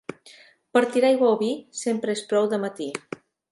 Per tirar aigua al vi sempre és prou de matí.